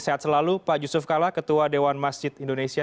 sehat selalu pak yusuf kalla ketua dewan masjid indonesia